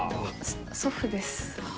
祖父です。